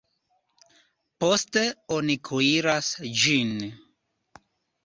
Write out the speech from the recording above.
Poste oni kuiras ĝin.